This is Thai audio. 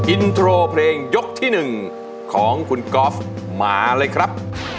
อินโทรเพลงยกที่๑ของคุณก๊อฟมาเลยครับ